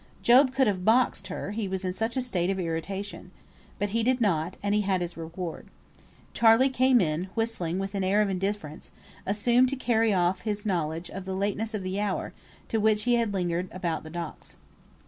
Job could have boxed her, he was in such a state of irritation. But he did not, and he had his reward. Charley came in, whistling with an air of indifference, assumed to carry off his knowledge of the lateness of the hour to which he had lingered about the docks.